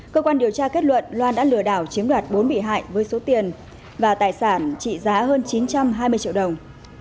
cơ quan điều tra kết luận loan đã lừa đảo chiếm đoạt bốn bị hại với số tiền và tài sản trị giá hơn chín trăm hai mươi triệu đồng